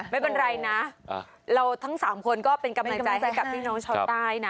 ไม่เป็นไรนะเราทั้ง๓คนก็เป็นกำลังใจให้กับพี่น้องชาวใต้นะ